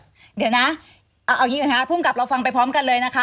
เดี๋ยวนะเอาอย่างนี้ก่อนนะคะภูมิกับเราฟังไปพร้อมกันเลยนะคะ